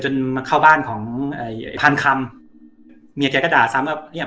มาเข้าบ้านของเอ่อพันคำเมียแกก็ด่าซ้ำว่าเนี่ย